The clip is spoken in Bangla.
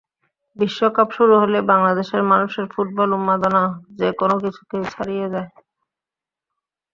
বিশ্বকাপ শুরু হলেই বাংলাদেশের মানুষের ফুটবল উন্মাদনা যে কোনো কিছুকেই ছাড়িয়ে যায়।